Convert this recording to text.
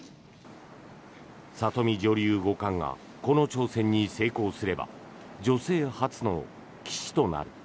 里見女流五冠がこの挑戦に成功すれば女性初の棋士となる。